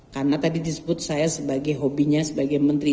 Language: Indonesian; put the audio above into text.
karena tadi disebut saya sebagai hobinya sebagai menteri